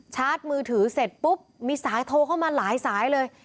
ชาร์จมือถือเสร็จปุ๊บมีสายโทรเข้ามาหลายสายเลย